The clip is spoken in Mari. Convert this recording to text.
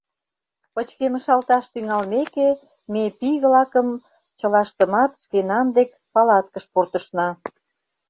Пычкемышалташ тӱҥалмеке, ме пий-влакым чылаштымат шкенан дек палаткыш пуртышна.